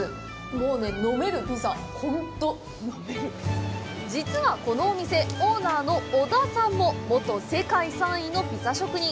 もうね飲めるピザほんと実はこのお店オーナーの小田さんも元世界３位のピザ職人